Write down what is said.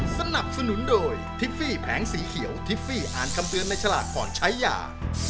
สนับสนุนโดยทิฟฟี่แผงสีเขียวทิฟฟี่อ่านคำเตือนในฉลากก่อนใช้ยา